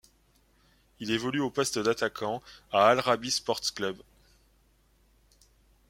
Il évolue au poste d'attaquant à Al-Arabi Sports Club.